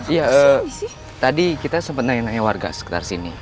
iya tadi kita sempat nanya nanya warga sekitar sini